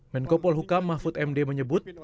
menkopol hukam mahfud md menyebut